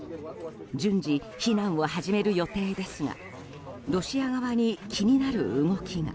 順次、避難を始める予定ですがロシア側に気になる動きが。